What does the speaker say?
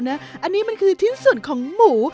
น่ะอันนี้เป็นทิ้งส่วนของหมู